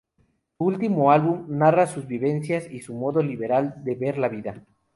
Su último álbum narra sus vivencias y su modo liberal de ver la vida.